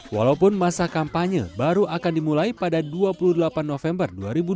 walaupun masa kampanye baru akan dimulai pada dua puluh delapan november dua ribu dua puluh